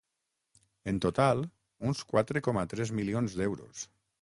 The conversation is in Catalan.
En total, uns quatre coma tres milions d’euros.